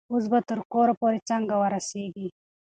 اوس به تر کوره پورې څنګه ورسیږي؟